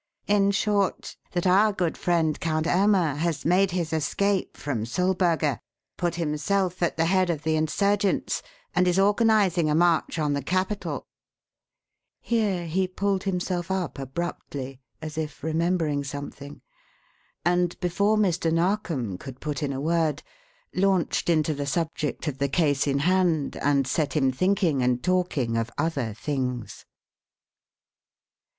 In short, that our good friend Count Irma has made his escape from Sulberga, put himself at the head of the Insurgents, and is organizing a march on the capital " Here he pulled himself up abruptly, as if remembering something, and, before Mr. Narkom could put in a word, launched into the subject of the case in hand and set him thinking and talking of other things.